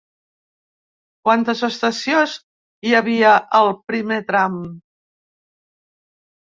Quantes estacions hi havia al primer tram?